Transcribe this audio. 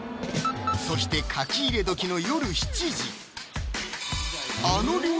そして書き入れ時の夜７時